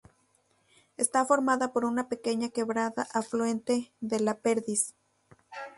Está formada por una pequeña quebrada afluente de La Perdiz.